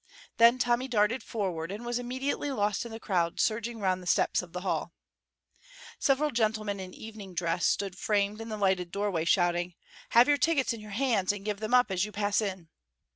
Then Tommy darted forward and was immediately lost in the crowd surging round the steps of the hall. Several gentlemen in evening dress stood framed in the lighted doorway, shouting: "Have your tickets in your hands and give them up as you pass in."